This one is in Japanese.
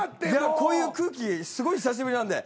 こういう空気すごい久しぶりなんで。